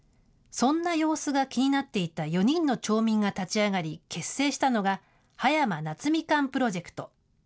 そんな様子が気になっていた４人の町民が立ち上がり結成したのが、葉山夏みかんプロジェクト。